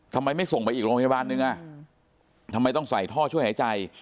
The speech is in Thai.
ทำไมไม่ส่งไปอีกโรงพยาบาลนึงอ่ะทำไมต้องใส่ท่อช่วยหายใจ